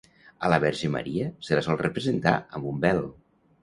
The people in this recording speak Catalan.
A la Verge Maria se la sol representar amb un vel.